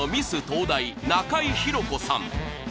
東大中井裕子さん